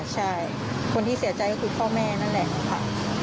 ใช่คนที่เสียใจก็คือพ่อแม่นั่นแหละค่ะ